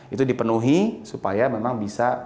itu dipenuhi supaya memang bisa lari dengan aman